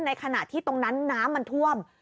ในขณะที่ตรงนั้นน้ำมันท่วม